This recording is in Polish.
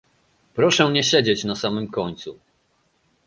Proszę nie siedzieć na samym końcu